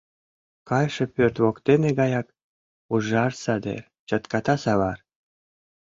Кайше пӧрт воктене гаяк ужар садер, чатката савар.